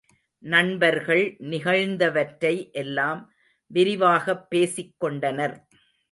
நண்பர்கள் நிகழ்ந்தவற்றை எல்லாம் விரிவாகப் பேசிக் கொண்டனர்.